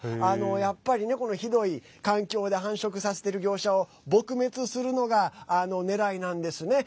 やっぱりね、ひどい環境で繁殖させている業者を撲滅するのがねらいなんですね。